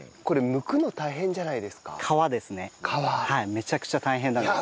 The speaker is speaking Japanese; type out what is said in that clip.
めちゃくちゃ大変なんです。